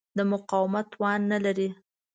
د مقاومت توان نه لري.